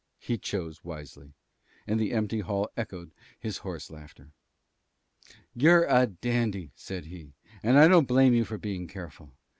He chose wisely; and the empty hall echoed his hoarse laughter. "You're a dandy," said he. "And I don't blame you for being careful.